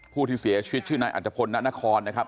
ผู้ที่เสียชีวิตชื่อนายอัตภพลณนครนะครับ